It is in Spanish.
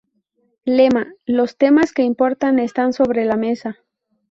Lema: "Los temas que importan, están sobre la mesa.